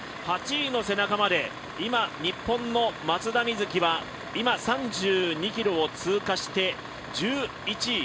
８位の背中まで今、日本の松田瑞生は今、３２ｋｍを通過して、１１位。